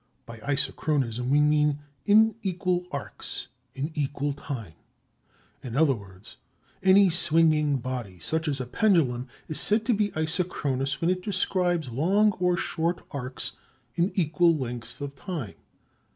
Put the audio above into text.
By "isochronism" we mean inequal arcs in equal time. In other words, any swinging body, such as a pendulum, is said to be "isochronous" when it describes long or short arcs in equal lengths of time.